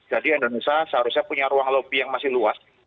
jadi indonesia seharusnya punya ruang lobby yang masih luas